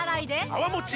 泡もち